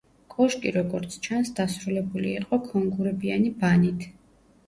კოშკი, როგორც ჩანს, დასრულებული იყო ქონგურებიანი ბანით.